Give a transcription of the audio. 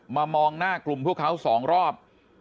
มองหน้ากลุ่มพวกเขาสองรอบ